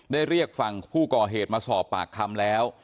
เรียกฝั่งผู้ก่อเหตุมาสอบปากคำแล้ว